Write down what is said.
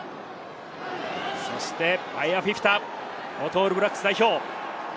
そしてヴァエア・フィフィタ、元オールブラックス代表。